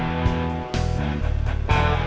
agar mau pulang bersama kami